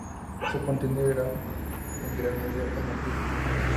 Su contenido era en gran medida formativo.